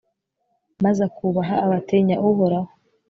maze akubaha abatinya uhoraho